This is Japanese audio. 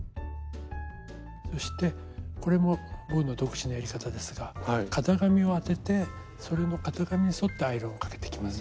そしてこれも僕の独自のやり方ですが型紙を当ててそれの型紙に沿ってアイロンをかけていきます。